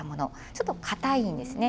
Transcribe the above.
ちょっと硬いんですね。